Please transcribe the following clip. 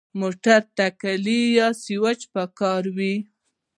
موټر ته کلید یا سوئچ پکار وي.